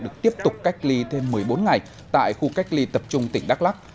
được tiếp tục cách ly thêm một mươi bốn ngày tại khu cách ly tập trung tỉnh đắk lắc